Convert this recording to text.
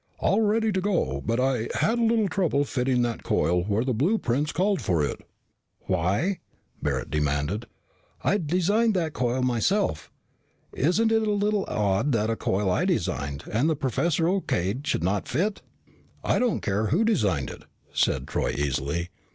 "All ready to go. But I had a little trouble fitting that coil where the blueprints called for it." "Why?" Barret demanded. "I designed that coil myself. Isn't it a little odd that a coil I designed, and the professor O.K.'d, should not fit?" "I don't care who designed it," said Troy easily.